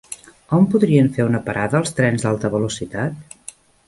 On podrien fer una parada els trens d'alta velocitat?